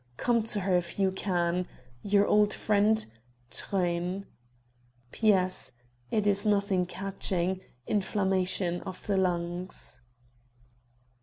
Come to her if you can. Your old friend, "Truyn." "P. S. It is nothing catching inflammation of the lungs."